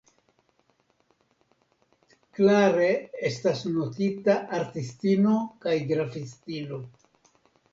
Clare estas notita artistino kaj grafistino.